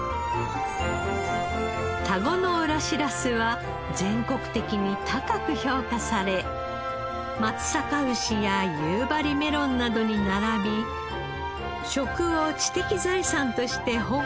田子の浦しらすは全国的に高く評価され松阪牛や夕張メロンなどに並び食を知的財産として保護する制度